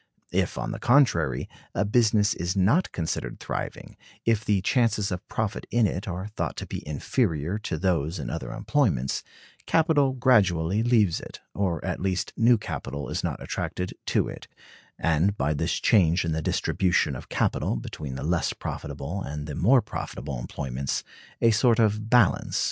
If, on the contrary, a business is not considered thriving; if the chances of profit in it are thought to be inferior to those in other employments; capital gradually leaves it, or at least new capital is not attracted to it; and by this change in the distribution of capital between the less profitable and the more profitable employments, a sort of balance is restored.